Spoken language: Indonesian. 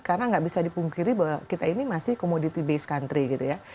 karena nggak bisa dipungkiri bahwa kita ini masih komoditi base country gitu ya